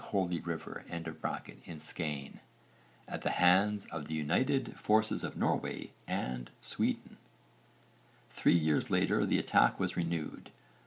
Holy River) in Skaane, at the hands of the united forces of Norway and Sweden. Three years later the attack was renewed.